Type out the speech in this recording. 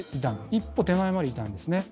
一歩手前までいたんですね。